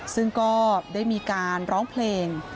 ซึ่งก็ได้มีการร้องเพลง